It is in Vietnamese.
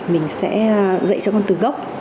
mình sẽ dạy cho con từ gốc